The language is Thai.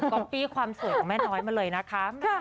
ก็พี่ความสวยของแม่น้อยเลยนะค่ะ